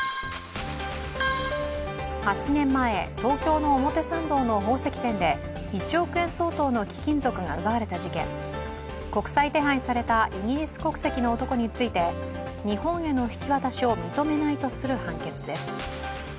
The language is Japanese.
８年前、東京の表参道の宝石店で１億円相当の貴金属が奪われた事件、国際手配されたイギリス国籍の男について日本への引き渡しを認めないとする判決です。